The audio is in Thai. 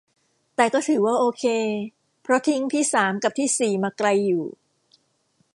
แต่ก็ถือว่าโอเค เพราะทิ้งที่สามกับที่สี่มาไกลอยู่